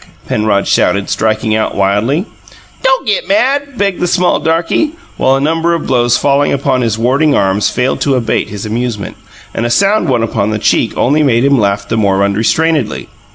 Penrod shouted, striking out wildly. "Don' git mad," begged the small darky, while a number of blows falling upon his warding arms failed to abate his amusement, and a sound one upon the cheek only made him laugh the more unrestrainedly.